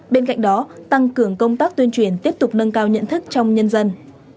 bên cạnh đó tăng cường công tác tuyên truyền tiếp tục nâng cao nhận thức trong nhân dân